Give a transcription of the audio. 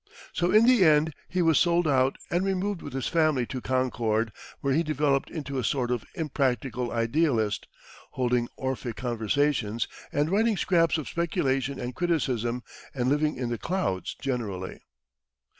So in the end, he was sold out, and removed with his family to Concord, where he developed into a sort of impractical idealist, holding Orphic conversations and writing scraps of speculation and criticism, and living in the clouds generally.